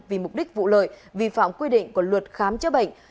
vì mục đích vụ lợi vi phạm quy định của luật khám chữa bệnh